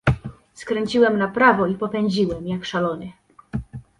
"Skręciłem na prawo i popędziłem, jak szalony."